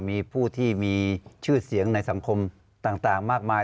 มีผู้ที่มีชื่อเสียงในสังคมต่างมากมาย